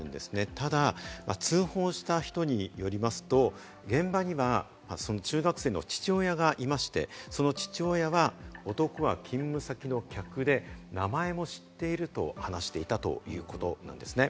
ただ通報した人によりますと、現場にはその中学生の父親がいまして、その父親は男は勤務先の客で名前も知っていると話していたということなんですね。